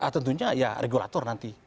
tentunya ya regulator nanti